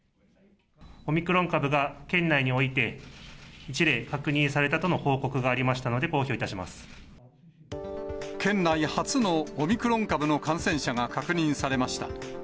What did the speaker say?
オミクロン株が県内において、１例確認されたとの報告がありましたので、県内初のオミクロン株の感染者が確認されました。